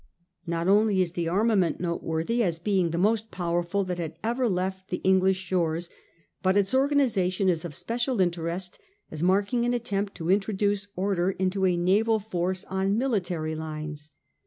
Not only is the armament noteworthy as being the most powerful that had ever left the English shores, but its organisation is of special interest as marking an attempt to introduce order into a naval force on military lines.